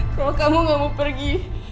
kalau kamu gak mau pergi